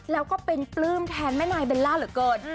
แล้วก็เป็นปลื้มแทนแม่นายเบลล่าเหลือเกิน